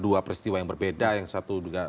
dua peristiwa yang berbeda yang satu juga